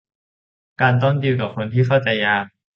การต้องดีลกับคนที่เข้าใจยาก